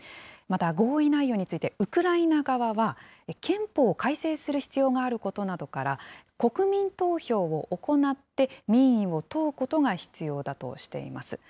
また、合意内容について、ウクライナ側は、憲法改正する必要があることなどから国民投票を行って、民意を問うことが必要だとしています。